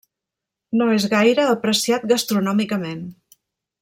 No és gaire apreciat gastronòmicament.